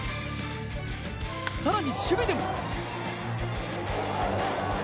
更に守備でも。